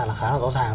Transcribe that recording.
là khá là rõ ràng